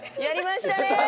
やりましたね！